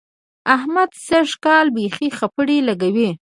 احمد سږ کال بېخي خپړې لګوي.